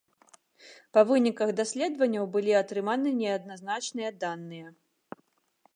Па выніках даследаванняў былі атрыманы неадназначныя даныя.